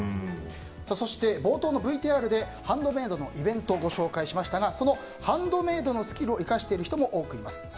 そして、冒頭のＶＴＲでハンドメイドのイベントをご紹介しましたがそのハンドメイドのスキルを生かしている人も多くいます。